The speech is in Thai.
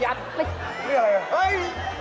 นี่อะไรอ่ะเฮ้ย